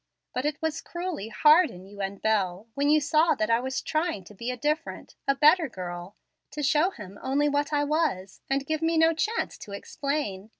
But it was cruelly hard in you and Bel, when you saw that I was trying to be a different a better girl, to show him only what I was, and give me no chance to explain.